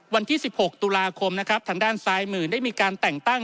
วันที่๑๖ตุลาคมนะครับทางด้านซ้ายมือได้มีการแต่งตั้ง